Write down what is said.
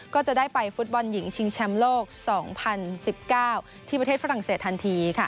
ก็จะได้ไปฟุตบอลหญิงชิงแชมป์โลก๒๐๑๙ที่ประเทศฝรั่งเศสทันที